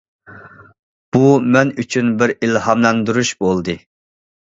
بۇ مەن ئۈچۈن بىر ئىلھاملاندۇرۇش بولدى.